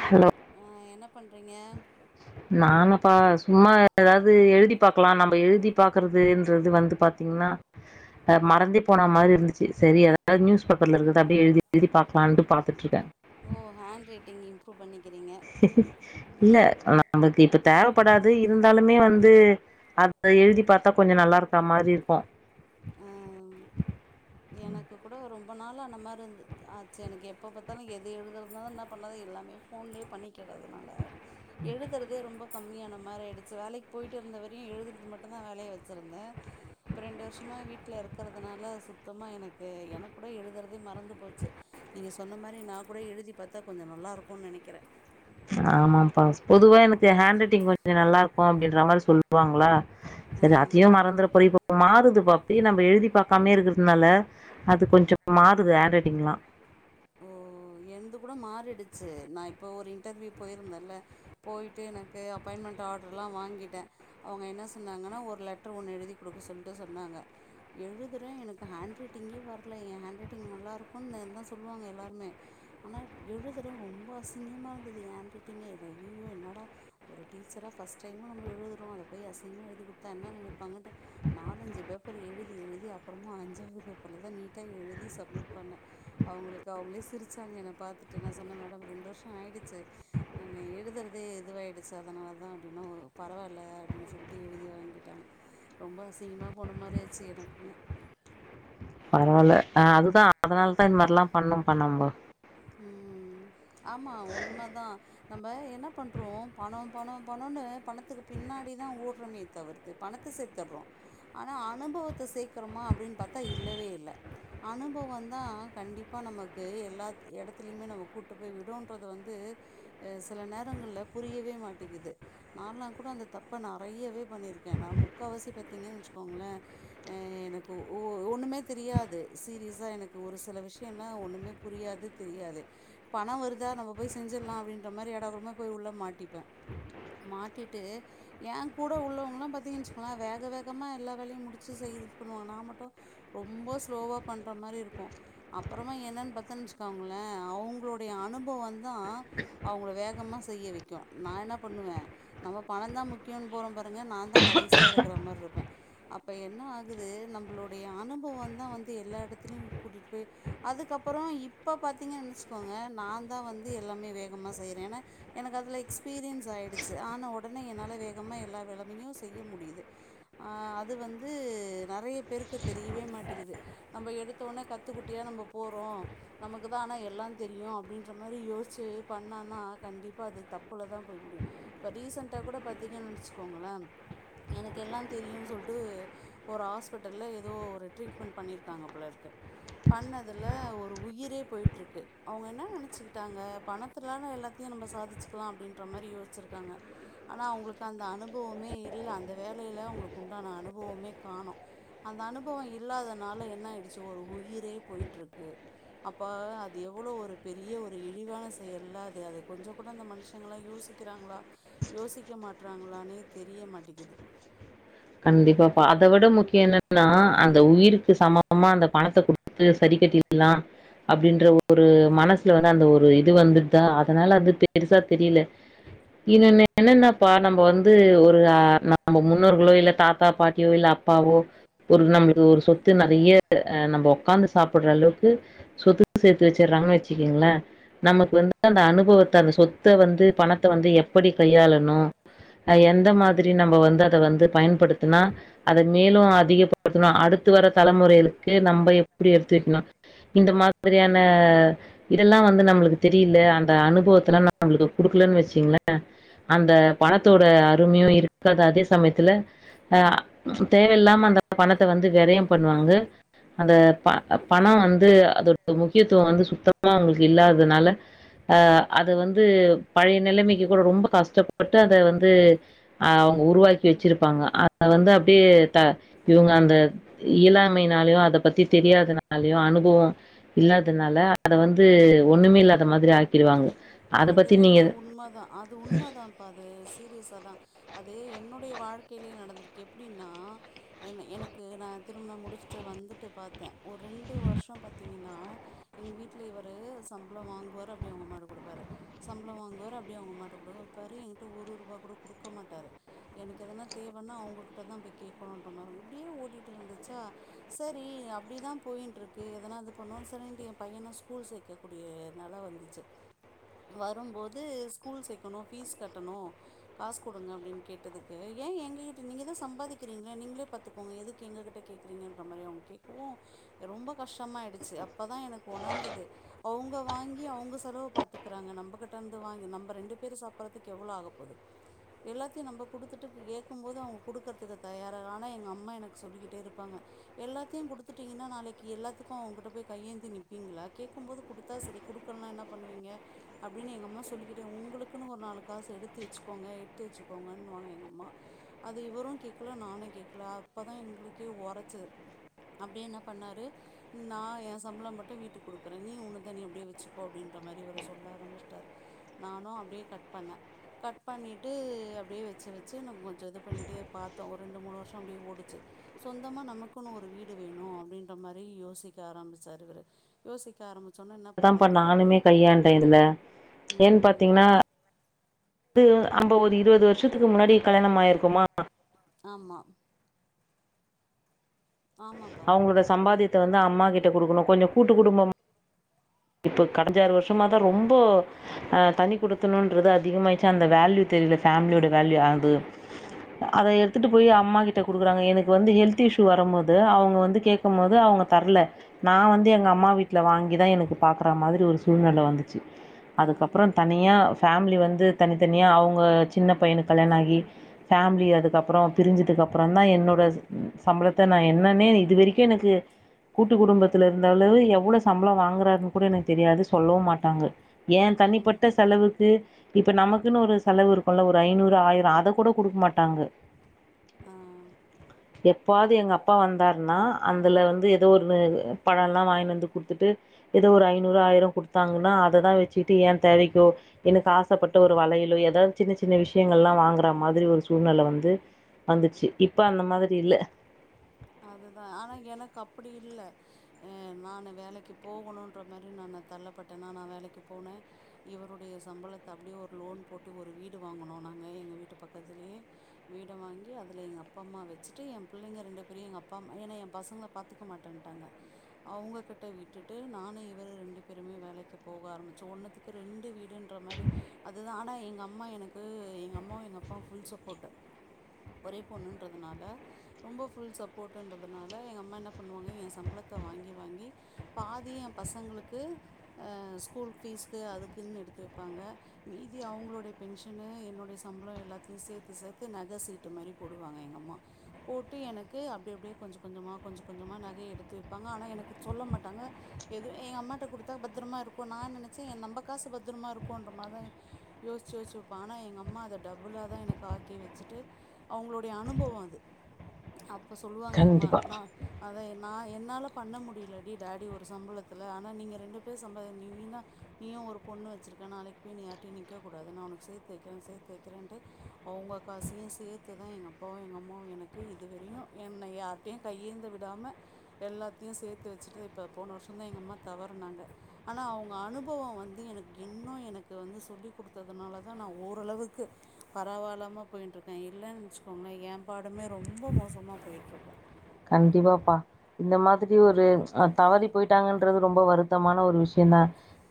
Hello பண்றீங்க நானாப்பா சும்மா ஏதாவது எழுதி பாக்கலா நம்ம எழுதி பாக்குறதுன்றது வந்து பாத்தீ தீங்னா அ மறந்தே போன மாரி இருந்துச்சு சரி எதாவது நியூஸ் பேப்பர்ல இருக்த அப்டியே எழுதி எழுதி பாக்லா லான்டு பாத்துட்ருக்கே ஓ ஹேண்ட் ரைட்டிங் இப்ரூவ் பண்ணி இல்ல நமக்கு இப்ப தேவப்படாது இருந்தாலுமே வந்து அத எழுதி பாத்தா கொஞ்ச நல்லா இருக்கா மாரி இருக்கு ஆ, எனக்கு கூட ரொம்ப நாள் ஆன மாரி இருந்து ஆ சே எனக்கு எப்ப பாத்தாலு எது எழுதர்னாலு என்னா பண்ணறது எல்லாமே ஃபோன்லயே பண்ணிக்கிறதுனால எழுதுறதே ரொம்ப கம்மியான மாரி ஆய்டுச்சு வேலைக்கு போய்ட்டு இருந்த வரையு எழுதுறது மட்டுந்தா வேலையா வச்சுருந்தே இப்ப ரெண்டு வருஷமா வீட்ல இருக்கறதுனால சு சுத்தமா எனக்கு எனக்கு கூட எழுதுறதே மறந்து போச்சு நீங்க சொன்ன மாரி நா கூட எழுதி பாத்தா கொஞ்ச நல் நல்லாருக்குன் நெனைக்கிறே ஆமாம்பா பொதுவா எனக்கு எ ஹேண்ட் ரைட்டிங் கொஞ்சோ நல்லாருக்கு அப்டின்ற மாரி சொல்லுவாங்ளா சரி அதயு மறந்துற போரே இப்ப மாறு து பப்பயே நம்ம எழுதி பாக்காமயே இருக்குறதுனால அது கொஞ்சோ மாறுது ஹேண்ட்ரட்டிங்லா ஓ என்து கூட மாறிடுச்சு நா இப்ப ஒரு இன்டர்வியூ போயிருந்தல்ல போய்ட்டு எனக்கு அப்பாய்ன்மண்ட் ஆட்ருல்லா வான்கிட்டே அவுங்க என்ன சொன்னாங்கன்னா ஒரு லெட்ரு ஒண்ணு எழுதி குடுக்க சொல்ட்டு சொன்னாங்க எழுதுறே எனக்கு ஹேண்ட் ரட்டிங்கே வர்ல எ ஹேண்ட் ரட்டிங் நல்லாருக்குன் நே தா சொல்லுவாங்க எல்லாருமே ஆனா எழுதுற ரொம்ப அசிங்கிமா இருந்தது எ ஹேண்ட் ரைட்டிங்கே ரய்யய்யோ என்னா ஆனா ஒரு டீச்சரா ஃபஸ்ட் டைமா நம்ம எழுதுறோ அத போய் அசிங்மா எழுதி குடுத்தா என்ன நெனைப்பாங்கன்டு நா நாலஞ்சு பேப்பர் எழுதி எழுதி அப்பறமா அஞ்சாவது பேப்பர்ல தா நீட்டா எழுதி சம்மிட் பண்ணே அவுங்களுக்கு அவுங்களே சிருச்சாங்க என்ன பாத்துட்டு நா சொன்னே மேடம் ரெண்டு வருஷோ ஆய்டுச்சு நானு எழுதுறதே எதுவாய்டுச்சு அதுனாலதா அப்டின்னோ பரவால்ல அப்டின் சொல்ட்டு எழுதி வாங்கிட்டாங்க ரொம்ப அசிங்கமா போன மாரியாச்சு எனக்குமே பரவால்ல ஆ அதுதா அதுனால தா இந்த மாரிலா பண்ணும் பண்ணம்ப ம் ஆமா உண்மதா நம்ப என்ன பண்றோ பணோ பணோ பணோனு பணத்துக்கு பின்னாடிதா ஓட்றமே தவிர்த்து பணத்த சேத்தற்றோ ஆனா அனுபவத்த சேக்கரமா அப்டின் பாத்தா இல்லவே இல்ல அனுபவந் தா கண்டிப்பா நமக்கு எல்லா எடத்துலயுமே நம்ம கூட்டு போய் விடுன்றது வந்து சில நேரங்கள்ல புரியவே மாட்டிகிது நான்லா கூட அந்த தப்ப நெறையவே பண்ணிருக்கே நா முக்காவாசி பாத்தீங்கன் வச்சுக்கோங்ளே அ எ எனக்கு ஒ ஒன்னுமே தெரியாது சீரியஸா எனக்கு ஒரு சில விஷ்யல்லா ஒன்னுமே புரியாது தெரியாது பணொ வருதா நம்ம போய் செஞ்சுற்லா அப்டின்ற மாரி எடா கூடம்மா போய் உள்ள மாட்டிப்பே மாட்டிட்டு ஏ கூட உள்ளவங்களா பாத்தீங்கன் வச்சுக்கங்ளே வேக வேகமா எல்லா வேலயு முடுச்சு செய் இது பண்ணுவாங்க நா மட்டு ரொம்ப ஸ்லோவா பண்ற மாரி இருக்கு அப்பறமா என்னன் பாத்தன் வச் க்கோங்களே அவு அவுங்களுடைய அனுபவந் தா அவுங்கள வேகமா செய்ய வைக்கு நா என்னா பண்ணுவே நம்ம பணந் தா முக்கியோனு போறோ பாருங்க நா தா கடைசியா இருக்குறமாருப்பே அப்ப என்ன ஆகுது நம்பள நம்மளுடைய அனுபவந்தா வந்து எல்லா எடத்துலையும் கூட்டிட் போய் அதுக்கப்பறோ இப் இப்ப பாத்தீங்கன் நெனச்சுக்கோங்க நா தா வந்து எல்லாமே வேகமா செய்றே ஏன்னா எனக்கு அதுல எக்ஸ்பீரியன்ஸ் ஆய் ஆய்டுச்சு ஆனா ஒடனே என்னால வேகமா எல்லா விலமையு செய்ய முடிது அ அது வந்து நிறைய பேருக்கு தெரியவே மாட்டேங்குது நம்ம எடுத்தோனே கத்துக்குட்டியா நம்ம போறோம் நமக்கு தான் ஆனால் எல்லாம் தெரியும் அப்படின்ற மாதிரி யோசிச்சு பண்ணன்னா கண்டிப்பாக அது தப்புல தான் போய் முடியும் இப்ப ரீசண்டா கூட பாத்தீங்கன்னு நினைச்சுக்கோங்களேன் எனக்கு எல்லாம் தெரியும்னு சொல்லிட்டு ஒரு ஹாஸ்பிட்டல்ல ஏதோ ஒரு ட்ரீட்மெண்ட் பண்ணியிருக்காங்க போலயிருக்கு பண்ணதுல ஒரு உயிர் உயிரே போயிட்டு இருக்கு அவங்க என்ன நினைச்சுக்கிட்டாங்க பணத்த எல்லாத்தையும் நம்ம சாதிச்சக்கலாம் அப்படின்ற மாதிரி யோச்ச வச்சிருக்காங்க ஆனா அவுங்களுக்கு அந்த அனுபவமே இல்ல அந்த வேலையில அவுங்களுக்கு உண்டான அனுபவமே காணும் அந்த அனுபவம் இல்லாதனால என்ன ஆயிடுச்சு ஒரு உயிரே போயிட்டு இருக்கு அப்போ அது எவ்வளோ ஒரு பெரிய ஒரு இழிவான செயல்ல அது அதை கொஞ்சம் கூட அந்த மனுஷங்களாம் யோசிக்க றாங்களா யோசிக்க மாட்டுறாங்களானே தெரிய மாட்டேக்குது கண்டிப்பா பா அத விட முக்கியம் என்னன்னா அந்த உயிருக்கு சமமா அந்த பணத்த குடுத்து சரி கெட்டிரலாம் அப்படின்ற ஒரு மனசு வந்து அந்த ஒரு இது வந்துட்டா அதனால அது பெருசா தெரியல இன்னன்ன என்னன்னாப்பா நம்ம வந்து ஒரு ஆ நாம முன்னோருகளில தாத்தா பாட்டியோ இல்ல அப்பாவோ ஒரு நம்ம ஒரு சொத்து நெறைய நம்ம உக்காந்து சாப்புடுற அளவுக்கு சொத்து சேர்த்து வச்சுறாங்கன்னு வச்சுக்கீங்களே நமக்கு வந்து அந்த அனுபவத்தை அந்த சொத்த வந்து பணத்தை வந்து எப்படி கையாளணும் எந்த மாதிரி நம்ம வந்து அத வந்து பயன் படுத்துனா அத மேலும் அதிகப்படுத்தணும் அடுத்து வர தலைமுறைகளுக்கு நம்ம எப்புடி எடுத்து வைக்கணும் இந்த மாதிரியான இதெல்லாம் வந்து நம்மளுக்கு தெரியல அந்த அனுபவத்துல எல்லாம் நம்மளுக்கு கொடுக்கலன்னு வச்சீங்களேன் அந்த பணத்தோட அருமையும் இருக்காது அதே சமயத்துல அஹ் தேவையில்லாம அந்த பணத்த வந்து விரையம் பண்ணுவாங்க அந்த ப பணம் வந்து அதோட முக்கியத்துவம் வந்து சுத்தமா அவங்களுக்கு இல்லாததுனால ஆ அது வந்து பழைய நிலைமைக்கு கூட ரொம்ப கஷ்டப்பட்டு அத வந்து ஆஹ் உருவாக்கி வச்சிருப்பாங்க அத வந்து அப்படியே த இவங்க அந்த இயலாமைையினாலயோ அத பத்தி தெரியாதனாலயோ அனுபவம் இல்லாதனால அத வந்து ஒண்ணுமே இல்லாத மாதிரி ஆக்கிடுவாங்க அத அது பத்தி நீங்க வேணா உண்மதான் அது உண்மதான்ப்பா அது சீரியஸா தான் என்னுடைய வாழ்க்கையிலே நடந்திருக்கு எப்புடினா எனக்கு நான் திருமணம் முடிச்சுட்டு வந்து வந்துட்டு பாத்தேன் ஒரு ரெண்டு வருஷம் பாத்தீங்கன்னா எங்க வீட்ல இவர் சம்பளம் வாங்குவார் அப்படின் போய் அவுங்க அம்மாகிட்ட கொடுப்பாரு சம்பளம் வாங்குவாரு அப்டியே அவுங்க அம்மாட்ட கொடுப்பாரு என்கிட்ட ஒரு ரூபாய் கூட கொடுக்க மாட்டாரு எனக்கு எதன தேவன்னா அவுங்கிட்ட தான் போய் கேட்கணும்ன்ற மாரி இப்புடியே ஓடிட்டு இருந்துச்சா சேரி அப்படிதான் போ போயின்ட்டு இருக்கு எதனா இது பண்ணுவோன்னு சரின்ட்டு என் பையன ஸ்கூல் சேர்க்க கூடிய நால வந்துச்சு வரும்போது ஸ்கூல் சேர்க்கணும் ஃபீஸ் கட்டணும் காசு கொடுங்க அப்படின்னு கேட்டதுக்கு ஏன் எங்ககிட்ட நீங்கதான் சம்பாதிக்கிறீங்களே நீங்களே பாத்துக்கோங்க எதுக்கு எங்க கிட்ட கேக்குறீங்கன்ற மாதிரி அவுங்க கேக்கவும் ரொம்ப கஷ்டமாயிடுச்சு அப்பதா எனக்கு உணர்ந்தது அவுங்க வாங்கி அவுங்க செலவு பாத்து இருக்குறாங்க நம்மகிட்ட இருந்து வாங்கி நம்ம ரெண்டு பேரு சாப்பிடறதுக்கு எவ்ளோ ஆக போகுது எல்லாத்தையும் நம்ம குடுத்துட்டு கேக்கும் போது அவங்க குடுக்கறதுக்கு தயாராக ஆனா எங்க அம்மா எனக்கு சொல்லிக்கிட்டே இருப்பாங்க எல்லாத்தையும் குடுத்துட்டீங்கன்னா நாளைக்கு எல்லாத்துக்கும் அவுங்ககிட்ட போய் கையேந்தி நிப்பீங்களா கேக்கும்போது குடுத்தா சரி குடுக்கலனா என்ன பண்ணுவீங்க அப்படின்னு எங்க அம்மா சொல்லிக்கிட்டே உங்களுக்குன்னு ஒரு நாலு காசு எடுத்து வச்சுக்கோங்க எடுத்து வச்சுக்கோங்கன்னுவாங்க எங்க அம்மா அது இவரும் கேக்கல நானும் கேக்கல அப்பதா எங்களுக்கே ஒரச்சது அப்டியே என்ன பண்ணாரு நா என் சம்பளம் மட்டும் வீட்டுக்கு கொடுக்குறேன் நீ உன்னது நீ அப்படியே வச்சுக்கோ அப்படின்னு அந்தமாரி இவரு சொ சொல்ல ஆரம்பிச்சிட்டாரு நானும் அப்படியே கட் பண்ணே கட் பண்ணிட்டு அப்படியே வச்சு வச்சு கொஞ்சம் இது பண்ணிட்டே பாத்தோம் ஒரு ரெண்டு மூணு வருஷம் அப்படியே ஓடுச்சு சொந்தமா நமக்குன்னு ஒரு வீடு வேணும் அப்படின்ற மாதிரி யோசிக்க ஆரம்பிச்சாரு இவரு யோசிக்க ஆரம்பிச் அதான்பா நானுமே கையாண்டேன் இதுல ஏன் ம் பாத்தீங்கன்னா அது அம்ப ஒரு இருவது வருஷத்துக்கு முன்னாடி கல்யாணம் ஆயிருக்குமா ஆமா ஆமாப்பா அவங்களோட சம்பாத்தியத்த வந்து அம்மா கிட்ட குடுக்கணு கொஞ்சோ கூட்டு குடும்பமா இப்ப கடஞ்சாறு வருஷமாதா ரொம்போ அ தனி குடித்தணும்ன்றது அதிகமாய்ச்சா அந்த வேல்யூ தெ தெரில ஃபேமிலியோடா வேல்யூ அது அத எடுத்துட்டு போய் அம்மா கிட்ட குடுக்குறாங்க எனக்கு வந்து ஹெல்த் இஷ்யூ வரம்போது அவங்க வந்து கேக்கும் போது அவ ங்க தரல நா வந்து எங்க அம்மா வீட்டுல வாங்கிதா எனக்கு பாக்குற மாதிரி ஒரு சூழ்நெல வந்துச்சு. ம் அதுக்கப்பறொ தனியா ஃபேமிலி வந்து தனித்தனியா அவங்க சின்ன பையனுக் கல்யாணாகி ஃபேமிலி அதுக் க்கு அப்பறோ பிரிஞ்சதுக்கு அப்பொறந்தா என்னோட சம்பளத்த நா என்னன்னே இது வரைக்கு எனக்கு கூட்டுக் குடும்பத்துல இருந்தாலு எவ்ளோ சம்பளொ வாங்குறாருன்னு கூட எனக்கு தெரியாது சொல்லவும் மாட்டாங்க. எ ம் தனிப்பட்ட செலவுக்கு இப்ப நமக்குன்னு ஒரு செலவு இருக்குல்ல ஒரு ஐநூறு ஆயிரொ அத கூட குடுக்க மாட்டாங்க. ஆ எப்பாவது எங்க அப்பா வந்தாருன்னா அந்துல வந்து எதோ ஒன்னு பழலா வாங்கின் வந்து குடுத்துட்டு எதோ ஒரு ஐநூறு ஆயிரோ குடுத்தாங்கன்னா அததா வச்சிட்டு என் தேவைக்கோ எனக்கு ஆசப்பட்ட ஒரு வளையலோ எதாவது சின்ன சின்ன விஷயங்களல்லா வாங்குற மாதிரி ஒரு சூழ்நில வந்து வந்துச்சு இப்ப அந்த மாதிரி இல்ல அதுதா ஆனா எனக்கு அப்படி இல் அ நானு வேலைக்கு போகணுன்ற மாரி நானு தள்ளப்பட்டன்னா நா வேலைக்கு போன இவருடைய சம்பளத்த அப்படியே ஒரு லோன் போட்டு ஒரு வீடு வாங்கோணுனாங்க எங்க வீட்டு பக்கத்துலேயே வீட் வீட வாங்கி அதுல எங்க அப்பா அம்மா வச்சுட்டு எ பிள்ளைங்க ரெண்டு பேரையு எங்க அப்பா அம்மா ஏன்னா எ பசங்க பாத்துக்க மாட்டேனுட்டாங்க. அவங்க கிட்ட விட்டுட்டு நானு இவரு ரெண்டு பேருமே வேலைக்கு போக ஆரம்பிச்சோ ஒன்னத்துக் க்கு ரெண்டு வீடுன்ற மாரி அதுதா ஆனா எங்க அம்மா எனக்கு எங்க அம்மாவு எங்க அப்பாவு ஃபுல் சப்போர்ட்டு ஒரே பொண்ணுன்றதுனால ரொம்ப ஃபுல் சப்போர்ட்ன்றதுனால எங்க அம்மா என்ன பண்ணுவாங்க எ சம்பளத் த்த வாங்கி வாங்கி பாதிய எ பசங்களுக்கு அ ஸ்கூல் ஃபீஸ் து அதுக்குன்னு எடுத்து வைப்பாங்க மீதி அவங்களுடைய பென்ஷனு என்னோடய சம்பளொ எல்லாத்தையு சேர்த்து சேத் க்கு நக சீட்டு மாரி போடுவாங்க எங்க அம்மா போட்டு எனக்கு அப்டி அப்டியே கொஞ்ச கொஞ்சமா கொஞ்ச கொஞ்சமா நக யே எடுத்து வைப்பாங்க ஆனா எனக்கு சொல்ல மாட்டாங்க எதுவு எங்க அம்மாட்ட குடுத்தா பத்திரமா இருக்கு நான் நெனை ச்சு எ நம்ப காசு பத்திரமா இருக்குன்ற மார்தா யோசிச்சு யோசிச்சு வைப்ப ஆனா எங்க அம்மா அத டபுளாதா எனக்கு ஆக்கி வச்சுட்டு அவங்களுடைய அனுபவொ அது அப் இப்ப சொல்லுவாங்க எங் அம்மா கண்டிப்பா நா அதா என் நா என்னால பண்ண முடியலடி டாடி ஒரு சம்பளத்துல ஆனா நீங்க ரெண்டு பேரும் சம்பாதி நீ நீந்தா நீயு ஒரு பொண்ணு வச்சிருக்க நாளைக்கு போய் நீ யார்ட்டையு நிக்கக் கூடாது நா உனக்கு சேத்து வைக்கிறே சேத்து வைக்கிறேனுட்டு அவ் வ்வா காசையு சேர்த்துதா எங்க அப்பாவு எங்க அம்மாவு எனக்கு இதுவரையு என்ன யார்ட்டையு கையேந்த விடாம எல்லாத்தையு சேத்து வச்சட்டு இப்ப போன வருஷந்தா எங்க அம்மா தவறுனாங்க ஆனா அவங்க அனுப னுபவோ வந்து எனக்கு இன்னு னு எனக்கு வந்து சொல்லிக் குடுத்ததுனாலதா நா ஓரளவுக்கு பரவலாம போயிட்டுருக்கே இல்லன் வச்சுக்கோங்களேன் ஏம்பாடுமே ரொம்பொ மோசமா போயிட்டுயிருக்கூ கண்டிப்பாபா இந்த மாதிரி ஒரு அ தவறி போயிட்டாங்கன்றது ரொம்பொ வருத்தமான ஒரு விஷயந்தா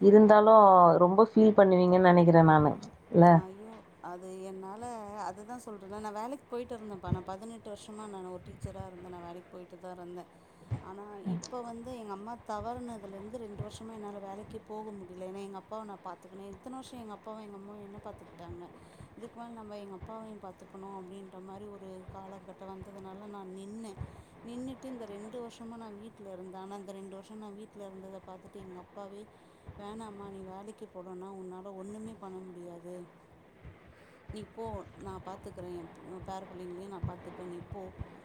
இருந்தாலு லு ரொம்ப ஃபீல் பண்ணுவீங்கன் நெனைக்கிறே நானு இல்ல? ஐயோ அது என்னால அதுதா சொல்றே நா வேலைக்கு போயிட்டுருந்தேன்பா நா பதினெட்டு வருஷமா நான் ஒரு டீச்சரா இருந்தே வேலைக்கு போயிட்டுதா இருந் த ஆமாமா இப்ப வந்து எங்க அம்மா தவறுனதுல இருந்து ரெண்டு வருஷமா என்னால வேலைக்கே போக முடியல ஏன்னா எங்க அப் ப்பாவ நா பாத்துருக்குன எத்தன வருஷொ எங்க அப்பாவ எங்க அம்மாவயு பாத்துக்கிட்டாங்க இதுக்கு மேல நம்ப எங்க அப்பாவையும் பாத்துக்கணு அப்படின்ற மாரி ஒரு காலகட்டொ வந்து அதனால நா நின்னே நின்னுட்டு இந்த ரெண்டு வருஷமா நா வீட்ல இருந்த ஆனா இந்த ரெண்டு வருஷொ நா வீட்ல இருந்தத பாத்துட்டு எங்க அப்பாவே வேணாமா நீ வேலைக்கு போலனா உன்னால ஒன்னுமே பண்ண முடியாது து நீ போ நா பாத்துக்றே என் பேர பிள்ளைங்களையு நா பாத்துப்பே நீ போ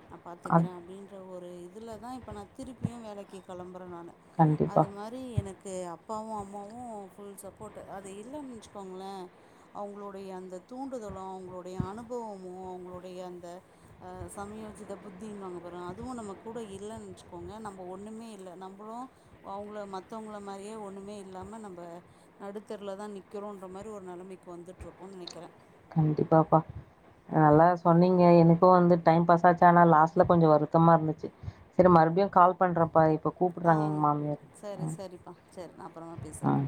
நா பாத்து கிறே அத் அப்டின்ற ஒரு இதுல தா இப்ப நா திருப்பியு வேலைக்கு கிளம்புறே நானு கண்டிப்பா, அது மாரி எனக் கு அப்பாவு அம்மாவு ஃபுல் சப்போட்டு அது இல்லேனு வச்சுக்கோங்ளே அவங்ளோடைய அந்த தூண்டுதலு அவங்ளோடைய அனுபவமு அவங்ளோடைய அந்த அஹ் சமயோஜித புத்தினுபாங்க பாரு அதுவு நம்ம கூட இல்லேனு வச்சுக்கோங்க நம்ப ஒண்ணுமே இல்ல நம்பளு அவுங்ள மத்தவுங்ள மாரியே ஒன்னுமே இல்லாம நம்ப நடுத்தெருவுல தா நிக்கிறோன்ற மாரி ஒரு நிலமைக் கு வந்துட்ருப்போம்னு நினக்கிறே கண்டிப்பாப்பா நல்லா சொன்னீங்க எனக்கு வந்து டைம் பாஸ் ஆச்சா ஆனா லாஸ்ட்ல கொஞ்ச வருத்தமா இருந்துச்சு சேரி மறுபடியு கால் பண்றப்பா இப்ப கூப்பிடுறாங்க எங்க ஆஹ் மாமியார். சேரி ம், சேரிப்பா சேரி நா அப்புறமா பேசுறே ம்.